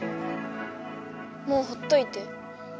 もうほっといて。